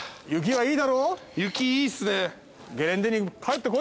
雪いいっすね。